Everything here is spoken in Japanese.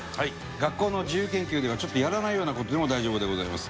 学校の自由研究ではちょっとやらないような事でも大丈夫でございます。